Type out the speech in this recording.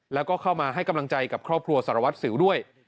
แล้วก็เข้ามาให้กำลังใจกับครอบครัวสารวัตรสิวด้วย